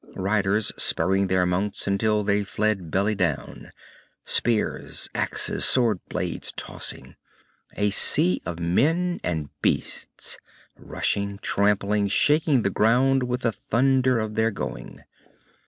Riders, spurring their mounts until they fled belly down. Spears, axes, sword blades tossing, a sea of men and beasts, rushing, trampling, shaking the ground with the thunder of their going.